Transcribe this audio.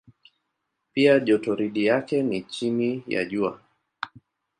Pia jotoridi yake ni chini ya Jua.